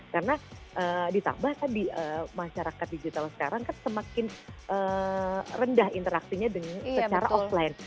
karena ditambah tadi masyarakat digital sekarang kan semakin rendah interaksinya dengan secara offline